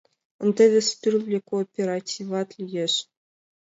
Ынде вес тӱрлӧ кооперативат лиеш.